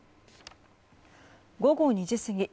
午後２時過ぎ